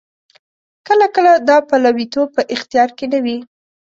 کله کله دا پلویتوب په اختیار کې نه وي.